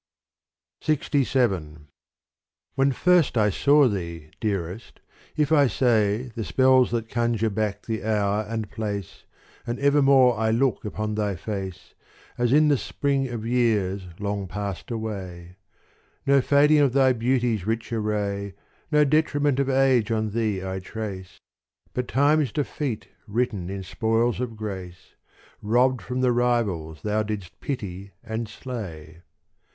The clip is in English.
LXVII When first I saw thee, dearest, if I say The spells that conjure back the hour and place, And evermore I look upon thy face, As in the spring of years long passed away : No fading of thy beauty's rich array, No detriment of age on thee I trace, But time's defeat written in spoils of grace, Robbed from the rivals thou didst pity and slay.